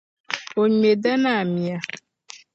O ŋme Danaa mia.